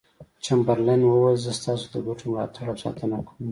چمبرلاین وویل زه ستاسو د ګټو ملاتړ او ساتنه کوم.